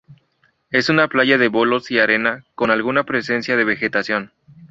Es una playa de bolos y arena con alguna presencia de vegetación.